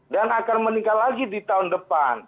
dan akan meningkat lagi di tahun depan